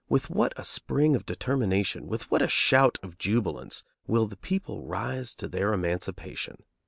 With what a spring of determination, with what a shout of jubilance, will the people rise to their emancipation!